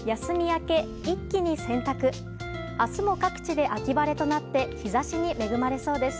明日も、各地で秋晴れとなって日差しに恵まれそうです。